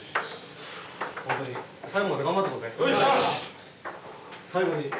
ほんとに最後まで頑張ってこうぜ。